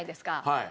はい。